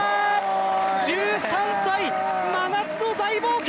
１３歳、真夏の大冒険！